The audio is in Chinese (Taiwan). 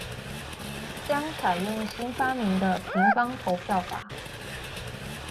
將採用新發明的「平方投票法」